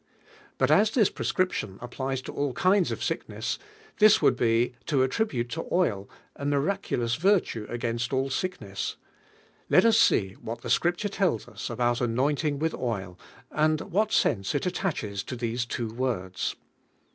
But as this proscription applies to all kinds of sickness, this would be to attribute to oil a miraculous virtue against all sickness. Let us see DIVINE JIKMlMI. tsl what the Scripture tells us about anoint ing with nil. anil what sense it attaches to these two words.